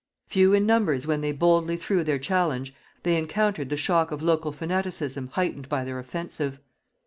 Few in numbers when they boldly threw their challenge, they encountered the shock of local fanaticism heightened by their offensive.